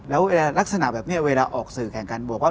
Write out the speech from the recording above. แล้วเวลาลักษณะแบบนี้เวลาออกสื่อแข่งกันบวกว่า